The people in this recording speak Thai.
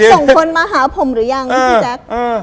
ส่งคนมาหาผมหรือยังพี่แจ๊ค